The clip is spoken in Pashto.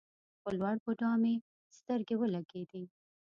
په لوړ بودا مې سترګې ولګېدې.